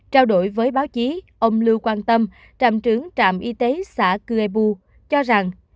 trao đổi với báo chí ông lưu quang tâm trạm trưởng trạm y tế xã cư ê bu cho rằng